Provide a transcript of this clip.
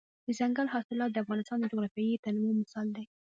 دځنګل حاصلات د افغانستان د جغرافیوي تنوع مثال دی.